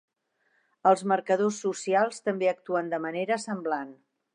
Els marcadors socials també actuen de manera semblant.